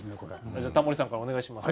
じゃあタモリさんからお願いします。